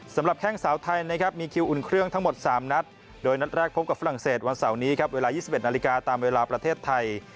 แข้งสาวไทยนะครับมีคิวอุ่นเครื่องทั้งหมด๓นัดโดยนัดแรกพบกับฝรั่งเศสวันเสาร์นี้ครับเวลา๒๑นาฬิกาตามเวลาประเทศไทย